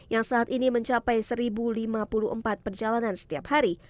yang saat ini mencapai satu lima puluh empat perjalanan setiap hari